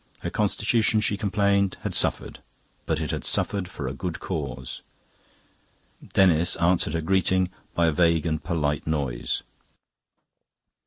Her constitution, she complained, had suffered; but it had suffered for a good cause. Denis answered her greeting by a vague and polite noise.